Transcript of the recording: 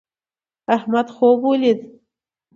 احمد خوب ولید